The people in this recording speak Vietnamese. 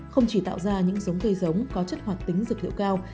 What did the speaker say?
không chỉ tạo ra những giống cây giống có chất hoạt tính dược liệu cao